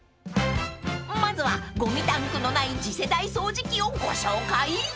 ［まずはゴミタンクのない次世代掃除機をご紹介］